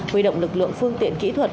huy động lực lượng phương tiện kỹ thuật